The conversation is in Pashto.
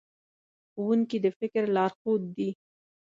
ښوونکي د فکر لارښود دي.